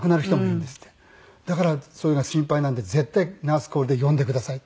だからそういうのが心配なんで絶対ナースコールで呼んでください